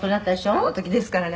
「あの時ですからね